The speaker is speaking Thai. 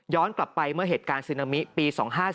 กลับไปเมื่อเหตุการณ์ซึนามิปี๒๕๔